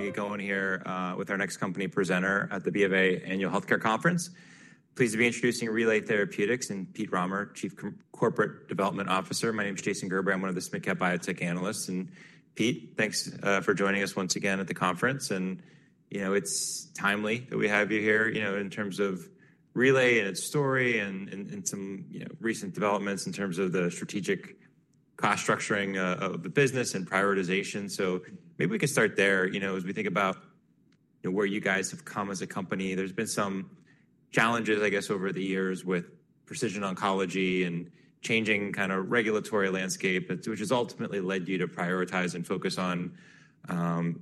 We're going to get going here with our next company presenter at the B of A Annual Healthcare Conference. Pleased to be introducing Relay Therapeutics and Pete Rahmer, Chief Corporate Development Officer. My name is Jason Gerber. I'm one of the Smidcap Biotech analysts. Peter, thanks for joining us once again at the conference. You know, it's timely that we have you here, you know, in terms of Relay and its story and some, you know, recent developments in terms of the strategic cost structuring of the business and prioritization. Maybe we could start there, you know, as we think about, you know, where you guys have come as a company. There's been some challenges, I guess, over the years with precision oncology and changing kind of regulatory landscape, which has ultimately led you to prioritize and focus on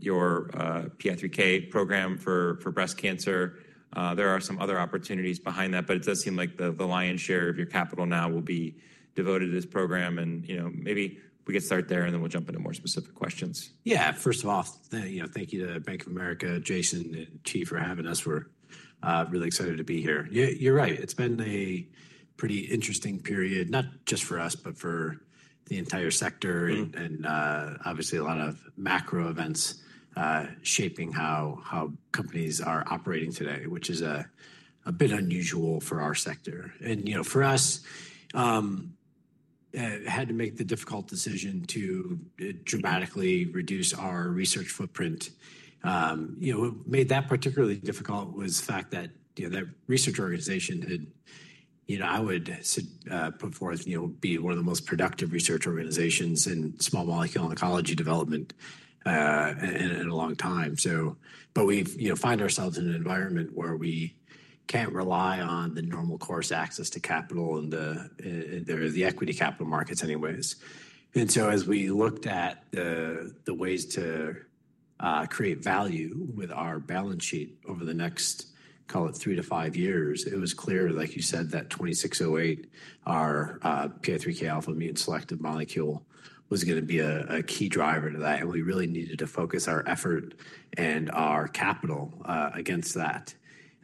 your PI3K program for breast cancer. There are some other opportunities behind that, but it does seem like the lion's share of your capital now will be devoted to this program. You know, maybe we could start there and then we'll jump into more specific questions. Yeah, first of all, thank you to Bank of America, Jason, and Chief for having us. We're really excited to be here. You're right. It's been a pretty interesting period, not just for us, but for the entire sector and obviously a lot of macro events shaping how companies are operating today, which is a bit unusual for our sector. You know, for us, had to make the difficult decision to dramatically reduce our research footprint. What made that particularly difficult was the fact that, you know, that research organization had, you know, I would put forth, you know, be one of the most productive research organizations in small molecule oncology development in a long time. We, you know, find ourselves in an environment where we can't rely on the normal course access to capital and the equity capital markets anyways. As we looked at the ways to create value with our balance sheet over the next, call it three-five years, it was clear, like you said, that 2608, our PI3Kα immune selective molecule, was going to be a key driver to that. We really needed to focus our effort and our capital against that.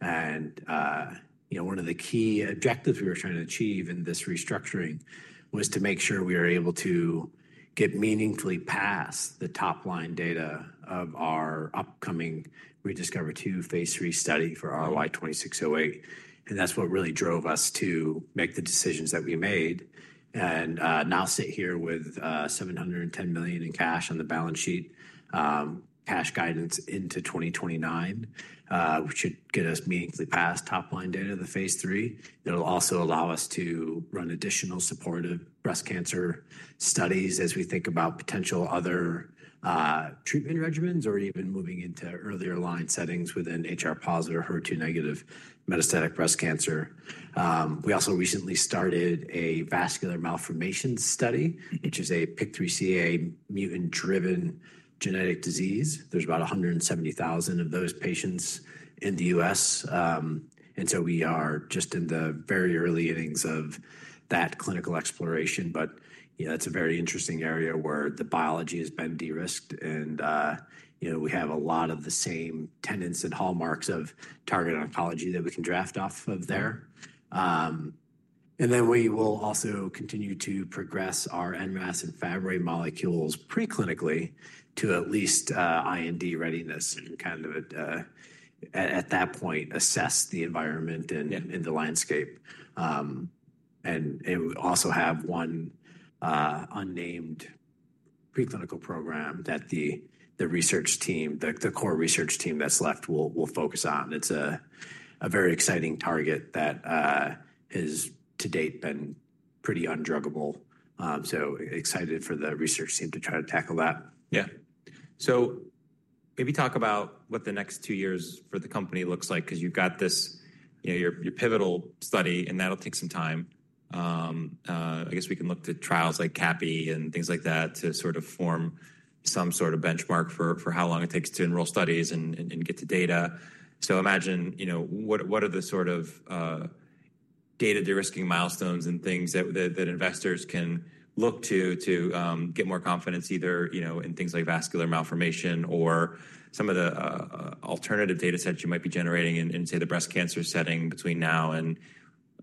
You know, one of the key objectives we were trying to achieve in this restructuring was to make sure we were able to get meaningfully past the top line data of our upcoming ReDiscover-2 phase III study for RLY-2608. That is what really drove us to make the decisions that we made and now sit here with $710 million in cash on the balance sheet, cash guidance into 2029, which should get us meaningfully past top line data in the phase III. It'll also allow us to run additional supportive breast cancer studies as we think about potential other treatment regimens or even moving into earlier line settings within HR positive or HER2 negative metastatic breast cancer. We also recently started a vascular malformation study, which is a PIK3CA mutant driven genetic disease. There's about 170,000 of those patients in the U.S. You know, we are just in the very early innings of that clinical exploration. You know, that's a very interesting area where the biology has been de-risked. You know, we have a lot of the same tenets and hallmarks of target oncology that we can draft off of there. We will also continue to progress our NRAS and Fabry molecules preclinically to at least IND readiness and kind of at that point assess the environment and the landscape. We also have one unnamed preclinical program that the research team, the core research team that's left, will focus on. It's a very exciting target that has to date been pretty undruggable. Excited for the research team to try to tackle that. Yeah. Maybe talk about what the next two years for the company looks like, because you've got this, you know, your pivotal study and that'll take some time. I guess we can look to trials like CAPI and things like that to sort of form some sort of benchmark for how long it takes to enroll studies and get the data. Imagine, you know, what are the sort of data de-risking milestones and things that investors can look to get more confidence either, you know, in things like vascular malformation or some of the alternative data sets you might be generating in, say, the breast cancer setting between now and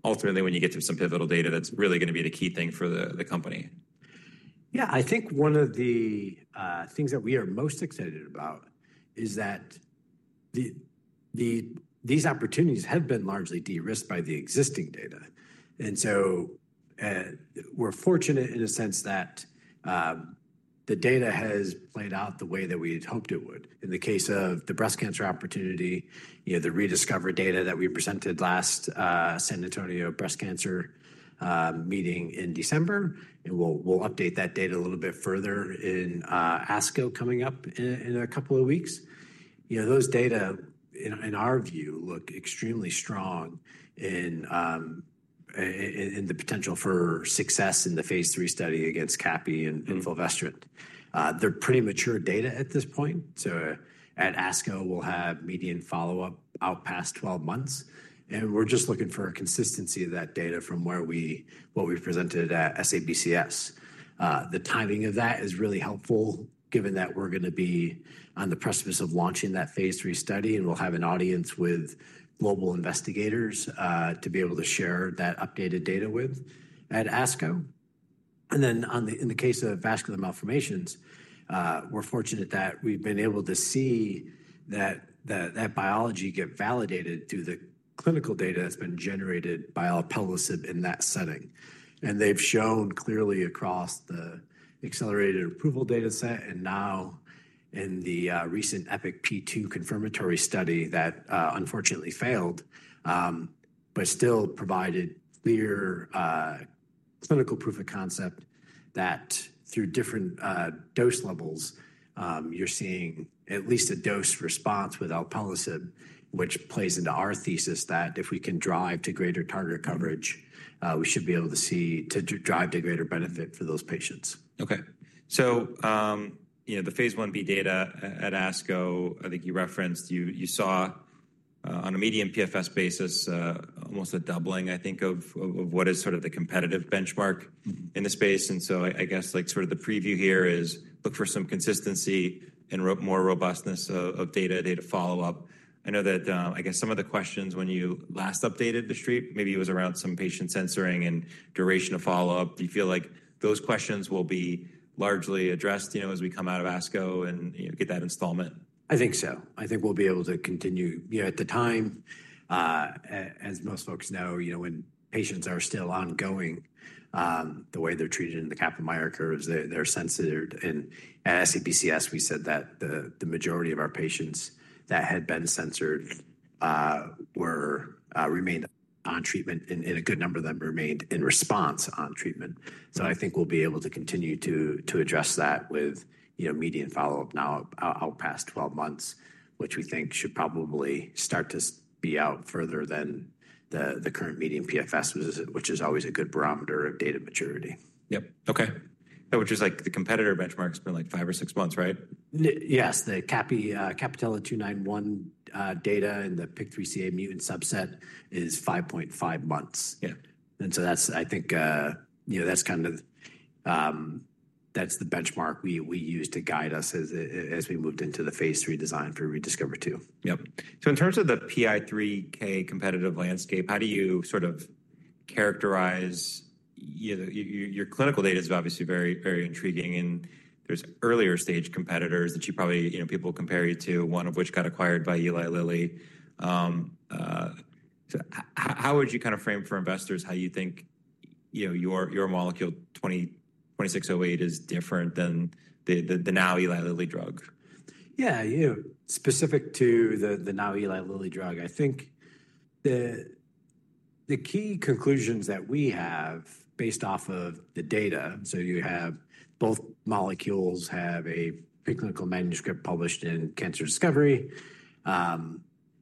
ultimately when you get to some pivotal data that's really going to be the key thing for the company. Yeah, I think one of the things that we are most excited about is that these opportunities have been largely de-risked by the existing data. And so we're fortunate in a sense that the data has played out the way that we had hoped it would. In the case of the breast cancer opportunity, you know, the ReDiscover data that we presented last San Antonio Breast Cancer meeting in December, and we'll update that data a little bit further in ASCO coming up in a couple of weeks. You know, those data, in our view, look extremely strong in the potential for success in the phase three study against Capivasertib and fulvestrant. They're pretty mature data at this point. At ASCO, we'll have median follow-up out past 12 months. We're just looking for a consistency of that data from what we presented at SABCS. The timing of that is really helpful given that we're going to be on the precipice of launching that phase three study and we'll have an audience with global investigators to be able to share that updated data with at ASCO. In the case of vascular malformations, we're fortunate that we've been able to see that biology get validated through the clinical data that's been generated by alpelisib in that setting. They've shown clearly across the accelerated approval data set and now in the recent EPIC P2 confirmatory study that unfortunately failed, but still provided clear clinical proof of concept that through different dose levels, you're seeing at least a dose response with alpelisib, which plays into our thesis that if we can drive to greater target coverage, we should be able to see to drive to greater benefit for those patients. Okay. So, you know, the phase IB data at ASCO, I think you referenced, you saw on a median PFS basis, almost a doubling, I think, of what is sort of the competitive benchmark in the space. I guess like sort of the preview here is look for some consistency and more robustness of data, data follow-up. I know that I guess some of the questions when you last updated the street, maybe it was around some patient censoring and duration of follow-up. Do you feel like those questions will be largely addressed, you know, as we come out of ASCO and get that installment? I think so. I think we'll be able to continue, you know, at the time, as most folks know, you know, when patients are still ongoing, the way they're treated in the Kaplan-Meier curves, they're censored. At SABCS, we said that the majority of our patients that had been censored remained on treatment and a good number of them remained in response on treatment. I think we'll be able to continue to address that with, you know, median follow-up now out past 12 months, which we think should probably start to be out further than the current median PFS, which is always a good barometer of data maturity. Yep. Okay. Which is like the competitor benchmarks for like five or six months, right? Yes. The CAPI, capivasertib 291 data in the PIK3CA mutant subset is 5.5 months. Yeah. That's, I think, you know, that's kind of, that's the benchmark we use to guide us as we moved into the phase three design for ReDiscover-2. Yep. In terms of the PI3K competitive landscape, how do you sort of characterize your clinical data is obviously very, very intriguing. There are earlier stage competitors that you probably, you know, people compare you to, one of which got acquired by Eli Lilly. How would you kind of frame for investors how you think, you know, your molecule 2608 is different than the now Eli Lilly drug? Yeah, you know, specific to the now Eli Lilly drug, I think the key conclusions that we have based off of the data, so you have both molecules have a preclinical manuscript published in Cancer Discovery. And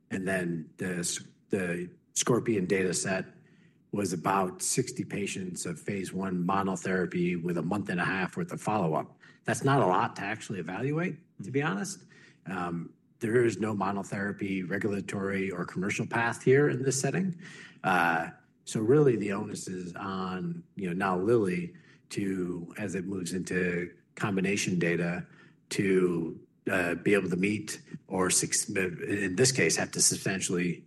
then the Scorpion data set was about 60 patients of phase one monotherapy with a month and a half worth of follow-up. That's not a lot to actually evaluate, to be honest. There is no monotherapy regulatory or commercial path here in this setting. So really the onus is on, you know, now Lilly to, as it moves into combination data, to be able to meet or in this case have to substantially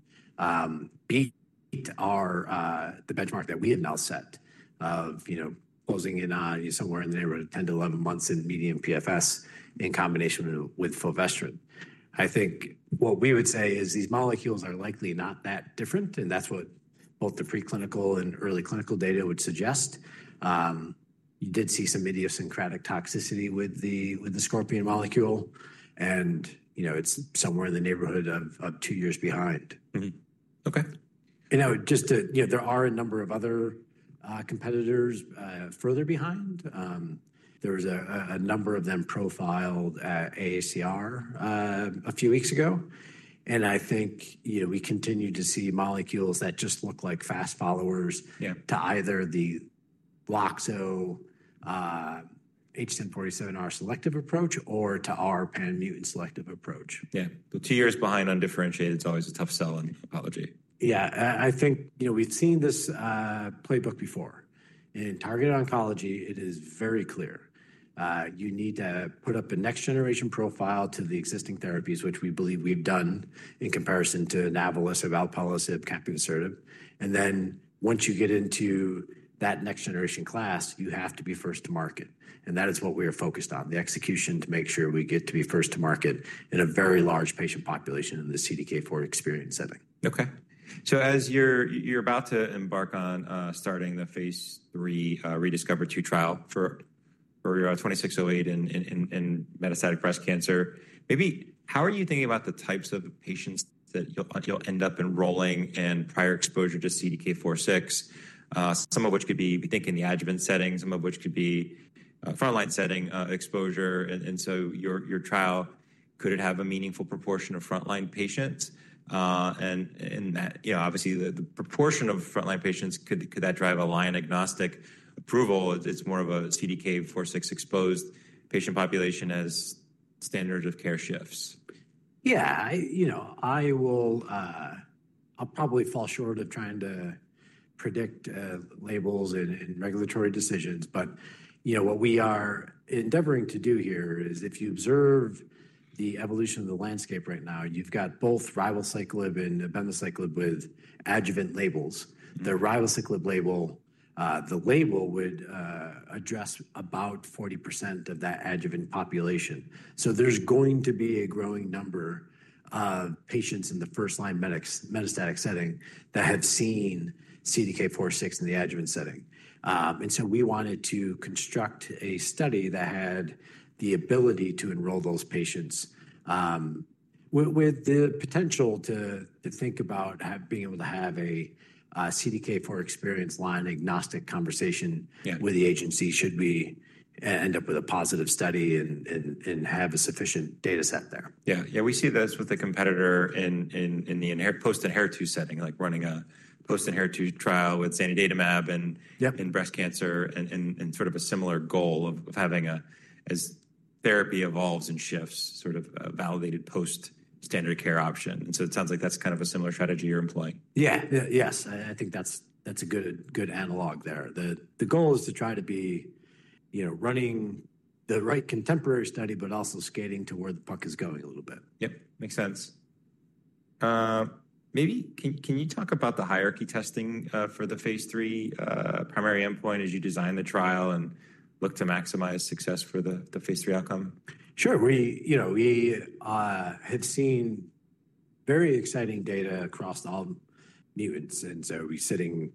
beat the benchmark that we have now set of, you know, closing in on somewhere in the neighborhood of 10-11 months in median PFS in combination with fulvestrant. I think what we would say is these molecules are likely not that different. That is what both the preclinical and early clinical data would suggest. You did see some idiosyncratic toxicity with the Scorpion molecule. You know, it is somewhere in the neighborhood of two years behind. Okay. You know, just to, you know, there are a number of other competitors further behind. There was a number of them profiled at AACR a few weeks ago. I think, you know, we continue to see molecules that just look like fast followers to either the Loxo H1047R selective approach or to our pan-mutant selective approach. Yeah. The two years behind on differentiated is always a tough sell on oncology. Yeah. I think, you know, we've seen this playbook before. In targeted oncology, it is very clear. You need to put up a next generation profile to the existing therapies, which we believe we've done in comparison to alpelisib, capivasertib, fulvestrant. Once you get into that next generation class, you have to be first to market. That is what we are focused on, the execution to make sure we get to be first to market in a very large patient population in the CDK4/6 experience setting. Okay. As you're about to embark on starting the phase three ReDiscover-2 trial for 2608 in metastatic breast cancer, maybe how are you thinking about the types of patients that you'll end up enrolling and prior exposure to CDK4/6, some of which could be thinking the adjuvant setting, some of which could be frontline setting exposure. Your trial, could it have a meaningful proportion of frontline patients? You know, obviously the proportion of frontline patients, could that drive a line agnostic approval? It's more of a CDK4/6 exposed patient population as standard of care shifts. Yeah, you know, I will, I'll probably fall short of trying to predict labels in regulatory decisions. But, you know, what we are endeavoring to do here is if you observe the evolution of the landscape right now, you've got both ribociclib and abemaciclib with adjuvant labels. The ribociclib label, the label would address about 40% of that adjuvant population. There is going to be a growing number of patients in the first line metastatic setting that have seen CDK4/6 in the adjuvant setting. We wanted to construct a study that had the ability to enroll those patients with the potential to think about being able to have a CDK4 experience line agnostic conversation with the agency should we end up with a positive study and have a sufficient data set there. Yeah. Yeah. We see this with the competitor in the post-inheritance setting, like running a post-inheritance trial with Zanidatamab in breast cancer and sort of a similar goal of having a, as therapy evolves and shifts, sort of a validated post-standard care option. It sounds like that's kind of a similar strategy you're employing. Yeah. Yes. I think that's a good analog there. The goal is to try to be, you know, running the right contemporary study, but also skating to where the puck is going a little bit. Yep. Makes sense. Maybe can you talk about the hierarchy testing for the phase three primary endpoint as you design the trial and look to maximize success for the phase three outcome? Sure. We, you know, we had seen very exciting data across all mutants. And so we're sitting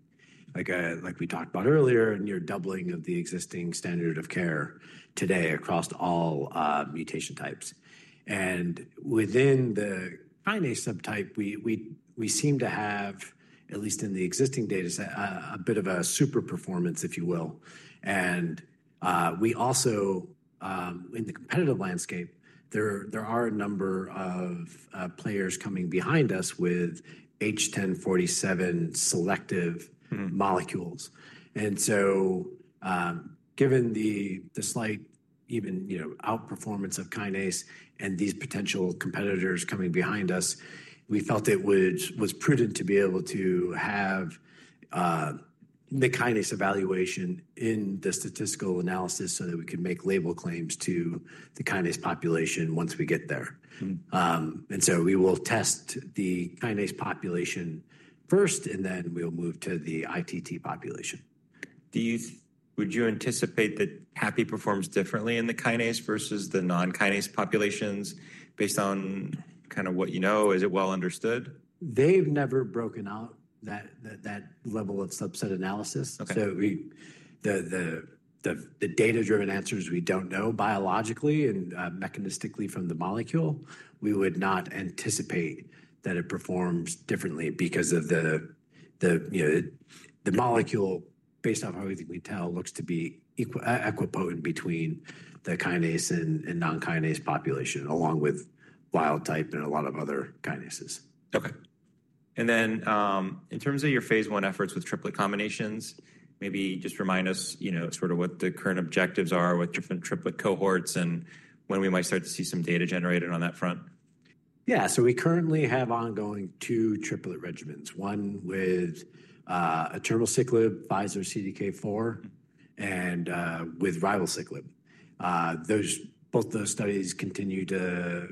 like we talked about earlier, near doubling of the existing standard of care today across all mutation types. And within the kinase subtype, we seem to have, at least in the existing data set, a bit of a super performance, if you will. And we also, in the competitive landscape, there are a number of players coming behind us with H1047 selective molecules. And so given the slight, even, you know, outperformance of kinase and these potential competitors coming behind us, we felt it was prudent to be able to have the kinase evaluation in the statistical analysis so that we could make label claims to the kinase population once we get there. And so we will test the kinase population first, and then we'll move to the ITT population. Do you, would you anticipate that CAPI performs differently in the kinase versus the non-kinase populations based on kind of what you know? Is it well understood? They've never broken out that level of subset analysis. The data-driven answers, we don't know biologically and mechanistically from the molecule. We would not anticipate that it performs differently because of the, you know, the molecule based off how we think RLY-2608 looks to be equally potent between the kinase and non-kinase population along with wild type and a lot of other kinases. Okay. In terms of your phase I efforts with triplet combinations, maybe just remind us, you know, sort of what the current objectives are with different triplet cohorts and when we might start to see some data generated on that front. Yeah. We currently have ongoing two triplet regimens, one with palbociclib, Pfizer CDK4/6, and with ribociclib. Both those studies continue to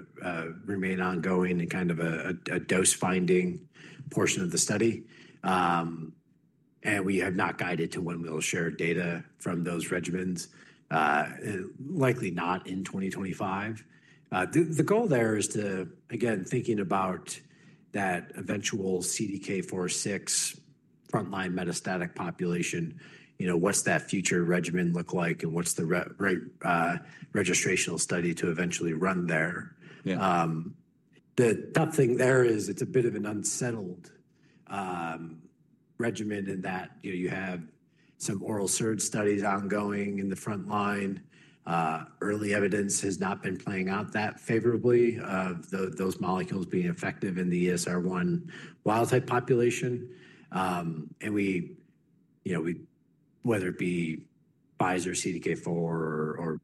remain ongoing and kind of a dose finding portion of the study. We have not guided to when we'll share data from those regimens, likely not in 2025. The goal there is to, again, thinking about that eventual CDK4/6 frontline metastatic population, you know, what's that future regimen look like and what's the right registrational study to eventually run there. The tough thing there is it's a bit of an unsettled regimen in that, you know, you have some oral SERD studies ongoing in the frontline. Early evidence has not been playing out that favorably of those molecules being effective in the ESR1 wild type population. We, you know, whether it be Pfizer CDK4/6 or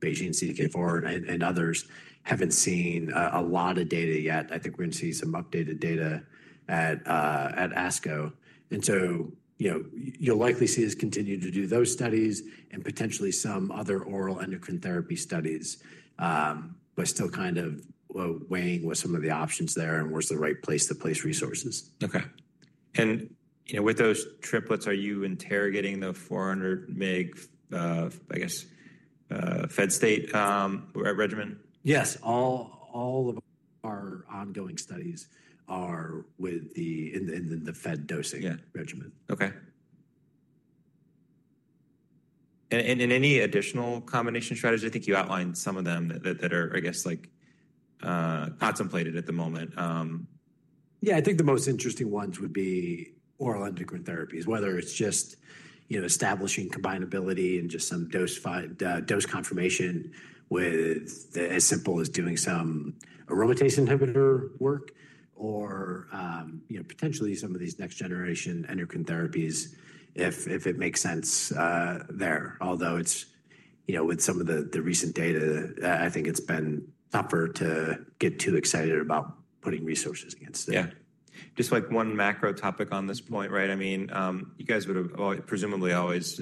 BeiGene CDK4/6 and others, haven't seen a lot of data yet. I think we're going to see some updated data at ASCO. You know, you'll likely see us continue to do those studies and potentially some other oral endocrine therapy studies, but still kind of weighing with some of the options there and where's the right place to place resources. Okay. And you know, with those triplets, are you interrogating the 400 mg, I guess, fed state regimen? Yes. All of our ongoing studies are with the fed dosing regimen. Okay. Any additional combination strategies? I think you outlined some of them that are, I guess, like contemplated at the moment. Yeah. I think the most interesting ones would be oral endocrine therapies, whether it's just, you know, establishing combinability and just some dose confirmation with as simple as doing some aromatase inhibitor work or, you know, potentially some of these next generation endocrine therapies if it makes sense there. Although it's, you know, with some of the recent data, I think it's been tougher to get too excited about putting resources against it. Yeah. Just like one macro topic on this point, right? I mean, you guys would have presumably always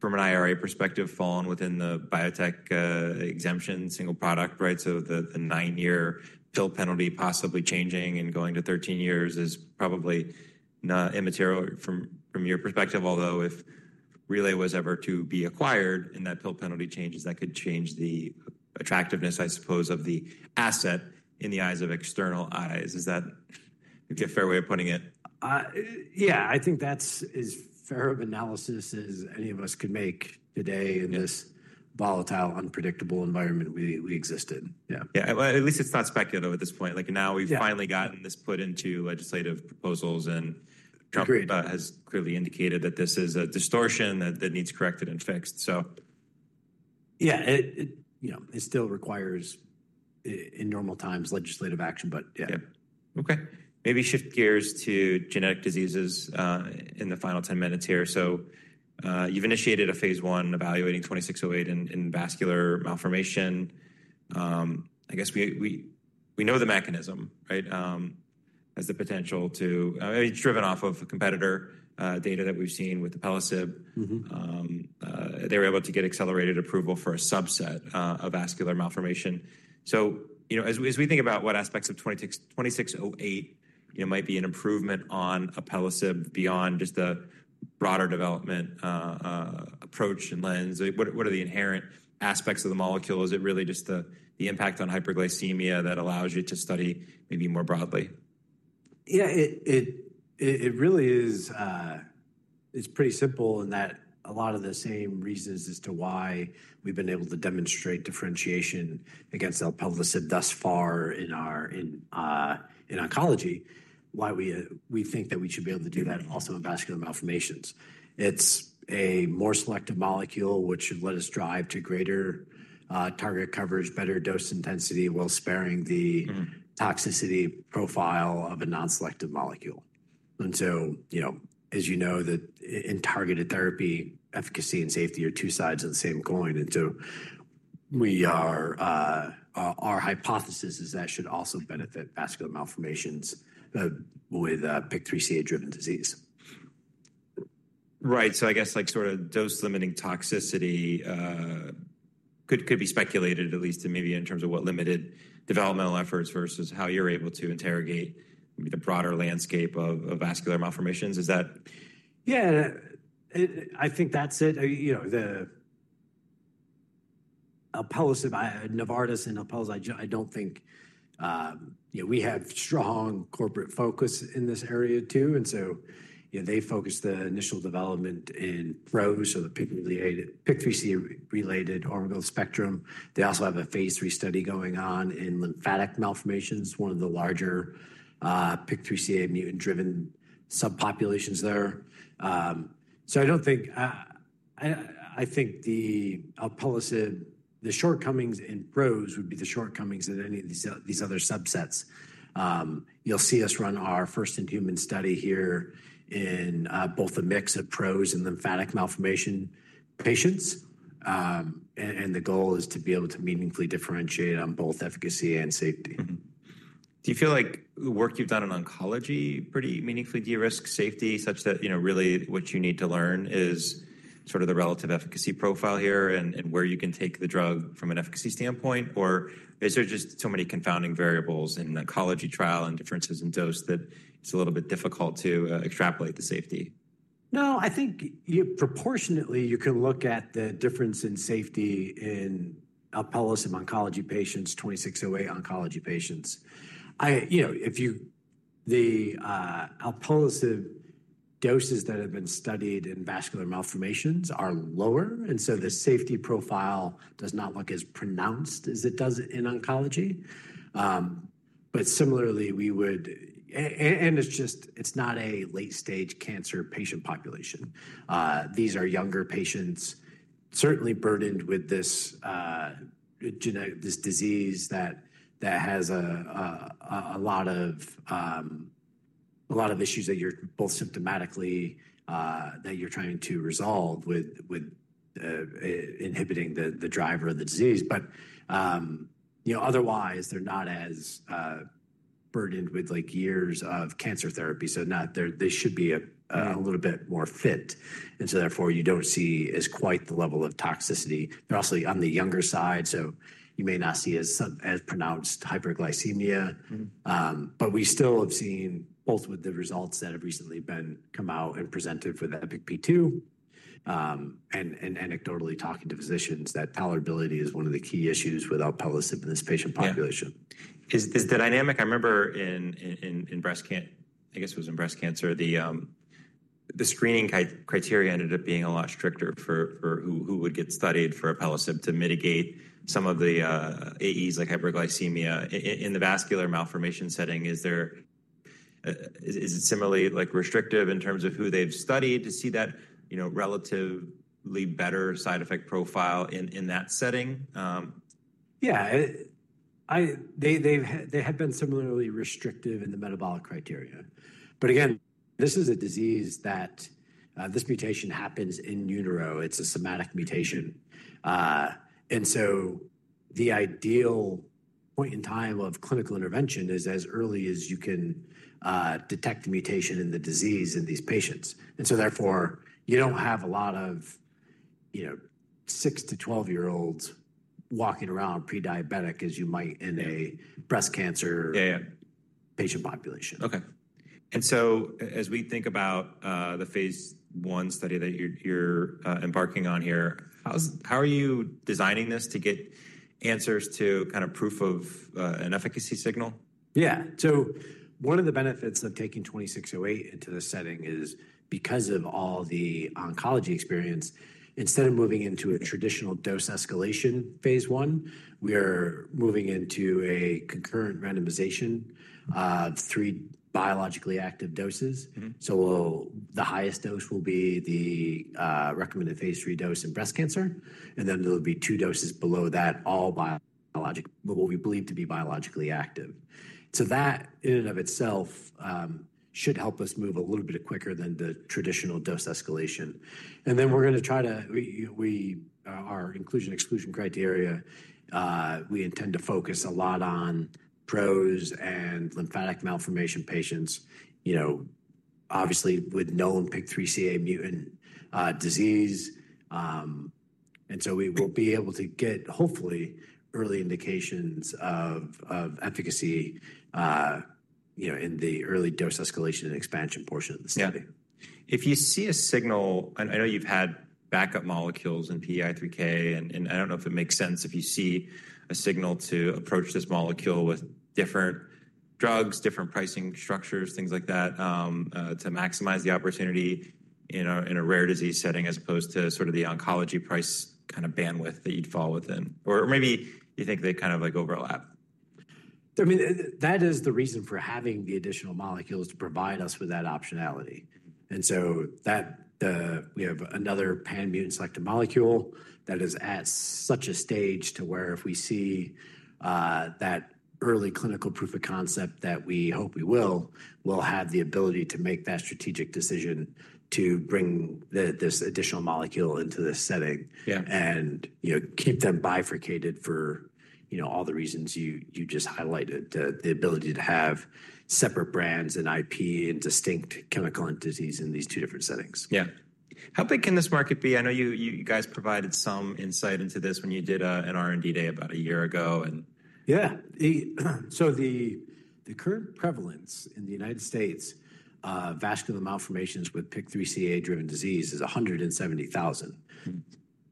from an IRA perspective fallen within the biotech exemption single product, right? So the nine-year pill penalty possibly changing and going to 13 years is probably not immaterial from your perspective. Although if Relay was ever to be acquired and that pill penalty changes, that could change the attractiveness, I suppose, of the asset in the eyes of external eyes. Is that a fair way of putting it? Yeah. I think that is as fair of analysis as any of us could make today in this volatile, unpredictable environment we exist in. Yeah. Yeah. At least it's not speculative at this point. Like now we've finally gotten this put into legislative proposals and Trump has clearly indicated that this is a distortion that needs corrected and fixed. Yeah. You know, it still requires in normal times legislative action, but yeah. Yeah. Okay. Maybe shift gears to genetic diseases in the final 10 minutes here. So you've initiated a phase I evaluating 2608 in vascular malformation. I guess we know the mechanism, right? Has the potential to, I mean, it's driven off of competitor data that we've seen with alpelisib. They were able to get accelerated approval for a subset of vascular malformation. You know, as we think about what aspects of 2608, you know, might be an improvement on alpelisib beyond just the broader development approach and lens, what are the inherent aspects of the molecule? Is it really just the impact on hyperglycemia that allows you to study maybe more broadly? Yeah. It really is, it's pretty simple in that a lot of the same reasons as to why we've been able to demonstrate differentiation against alpelisib thus far in oncology, why we think that we should be able to do that also in vascular malformations. It's a more selective molecule, which should let us drive to greater target coverage, better dose intensity while sparing the toxicity profile of a non-selective molecule. You know, as you know, in targeted therapy, efficacy and safety are two sides of the same coin. Our hypothesis is that should also benefit vascular malformations with PIK3CA-driven disease. Right. I guess like sort of dose limiting toxicity could be speculated at least in maybe in terms of what limited developmental efforts versus how you're able to interrogate the broader landscape of vascular malformations. Is that? Yeah. I think that's it. You know, Novartis and alpelisib, I don't think, you know, we have strong corporate focus in this area too. You know, they focused the initial development in PROS or the PIK3CA-related overgrowth spectrum. They also have a phase three study going on in lymphatic malformations, one of the larger PIK3CA mutant-driven subpopulations there. I don't think, I think the shortcomings in PROS would be the shortcomings in any of these other subsets. You'll see us run our first-in-human study here in both a mix of PROS and lymphatic malformation patients. The goal is to be able to meaningfully differentiate on both efficacy and safety. Do you feel like the work you've done in oncology pretty meaningfully de-risk safety such that, you know, really what you need to learn is sort of the relative efficacy profile here and where you can take the drug from an efficacy standpoint? Or is there just so many confounding variables in oncology trial and differences in dose that it's a little bit difficult to extrapolate the safety? No, I think proportionately you can look at the difference in safety in alpelisib oncology patients, 2608 oncology patients. You know, if you, the alpelisib doses that have been studied in vascular malformations are lower. And so the safety profile does not look as pronounced as it does in oncology. But similarly, we would, and it's just, it's not a late-stage cancer patient population. These are younger patients certainly burdened with this disease that has a lot of issues that you're both symptomatically that you're trying to resolve with inhibiting the driver of the disease. But, you know, otherwise they're not as burdened with like years of cancer therapy. They should be a little bit more fit. And so therefore you do not see as quite the level of toxicity. They're also on the younger side. You may not see as pronounced hyperglycemia. We still have seen both with the results that have recently come out and presented with alpelisib. And anecdotally talking to physicians, that tolerability is one of the key issues with alpelisib in this patient population. Is the dynamic, I remember in breast cancer, I guess it was in breast cancer, the screening criteria ended up being a lot stricter for who would get studied for alpelisib to mitigate some of the AEs like hyperglycemia. In the vascular malformation setting, is it similarly like restrictive in terms of who they've studied to see that, you know, relatively better side effect profile in that setting? Yeah. They have been similarly restrictive in the metabolic criteria. Again, this is a disease that this mutation happens in utero. It's a somatic mutation. The ideal point in time of clinical intervention is as early as you can detect the mutation in the disease in these patients. Therefore you do not have a lot of, you know, six to12-year-olds walking around prediabetic as you might in a breast cancer patient population. Okay. As we think about the phase I study that you're embarking on here, how are you designing this to get answers to kind of proof of an efficacy signal? Yeah. One of the benefits of taking 2608 into this setting is because of all the oncology experience, instead of moving into a traditional dose escalation phase one, we are moving into a concurrent randomization of three biologically active doses. The highest dose will be the recommended phase three dose in breast cancer. There will be two doses below that, all what we believe to be biologically active. That in and of itself should help us move a little bit quicker than the traditional dose escalation. We are going to try to, our inclusion exclusion criteria, we intend to focus a lot on PROs and lymphatic malformation patients, you know, obviously with known PIK3CA mutant disease. We will be able to get hopefully early indications of efficacy, you know, in the early dose escalation and expansion portion of the study. Yeah. If you see a signal, and I know you've had backup molecules in PI3K, and I don't know if it makes sense if you see a signal to approach this molecule with different drugs, different pricing structures, things like that to maximize the opportunity in a rare disease setting as opposed to sort of the oncology price kind of bandwidth that you'd fall within. Or maybe you think they kind of like overlap I mean, that is the reason for having the additional molecules to provide us with that optionality. That way we have another pan-mutant selective molecule that is at such a stage to where if we see that early clinical proof of concept that we hope we will, we'll have the ability to make that strategic decision to bring this additional molecule into this setting. You know, keep them bifurcated for, you know, all the reasons you just highlighted, the ability to have separate brands and IP and distinct chemical entities in these two different settings. Yeah. How big can this market be? I know you guys provided some insight into this when you did an R&D day about a year ago. Yeah. The current prevalence in the United States of vascular malformations with PIK3CA-driven disease is 170,000.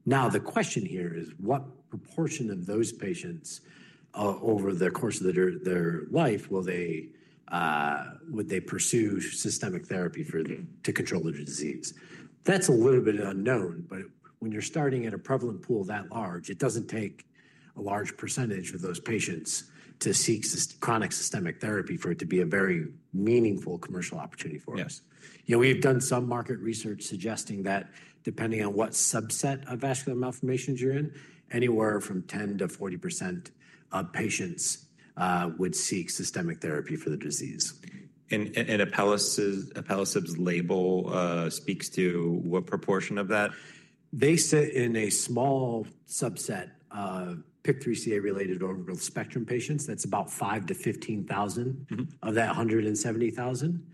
Now the question here is what proportion of those patients over the course of their life, will they, would they pursue systemic therapy to control their disease? That's a little bit unknown, but when you're starting at a prevalent pool that large, it doesn't take a large percentage of those patients to seek chronic systemic therapy for it to be a very meaningful commercial opportunity for us. You know, we've done some market research suggesting that depending on what subset of vascular malformations you're in, anywhere from 10-40% of patients would seek systemic therapy for the disease. Alpelisib's label speaks to what proportion of that? They sit in a small subset of PIK3CA-related orbital spectrum patients. That's about 5,000-15,000 of that 170,000.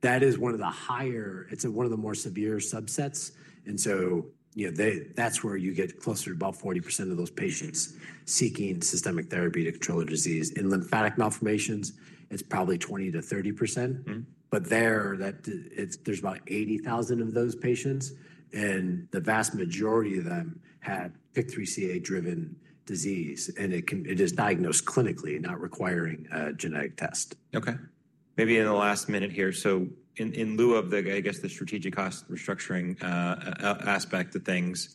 That is one of the higher, it's one of the more severe subsets. And so, you know, that's where you get closer to about 40% of those patients seeking systemic therapy to control the disease. In lymphatic malformations, it's probably 20-30%. But there, there's about 80,000 of those patients. And the vast majority of them had PIK3CA-driven disease. And it is diagnosed clinically, not requiring a genetic test. Okay. Maybe in the last minute here. In lieu of the, I guess, the strategic cost restructuring aspect of things,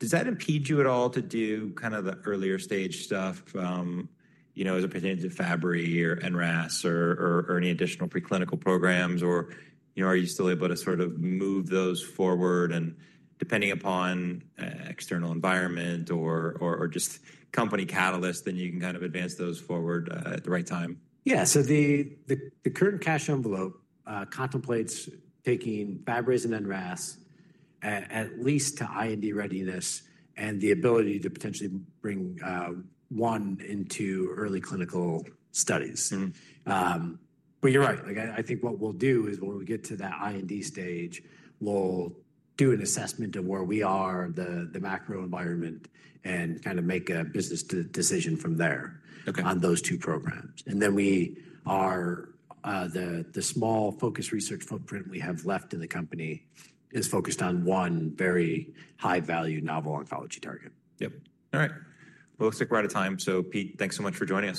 does that impede you at all to do kind of the earlier stage stuff, you know, as it pertains to Fabry or NRAS or any additional preclinical programs? Or, you know, are you still able to sort of move those forward? Depending upon external environment or just company catalyst, then you can kind of advance those forward at the right time? Yeah. The current cash envelope contemplates taking Fabry's and NRAS at least to IND readiness and the ability to potentially bring one into early clinical studies. You're right. I think what we'll do is when we get to that IND stage, we'll do an assessment of where we are, the macro environment, and kind of make a business decision from there on those two programs. We are, the small focus research footprint we have left in the company is focused on one very high-value novel oncology target. Yep. All right. Let's take a ride of time. Pete, thanks so much for joining us.